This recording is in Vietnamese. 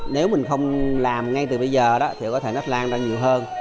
nếu mình không làm ngay từ bây giờ đó thì có thể nó lan ra nhiều hơn